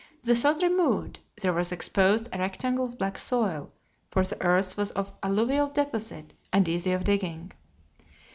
The sod removed, there was exposed a rectangle of black soil, for the earth was of alluvial deposit and easy of digging.